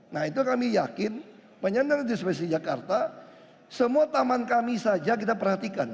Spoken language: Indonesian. nah itu kami yakin penyandang dispasi jakarta semua taman kami saja kita perhatikan